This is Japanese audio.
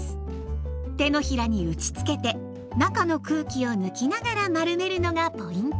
手のひらに打ちつけて中の空気を抜きながら丸めるのがポイント。